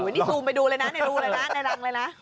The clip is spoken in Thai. นี่ซูมไปดูเลยนะดูเลยนะในรังเลยนะ